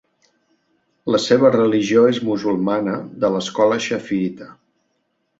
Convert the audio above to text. La seva religió és musulmana de l'escola xafiïta.